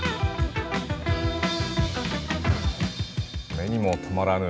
目にも止まらぬ。